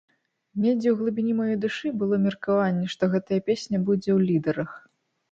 Недзе ў глыбіні маёй душы было меркаванне, што гэта песня будзе ў лідарах.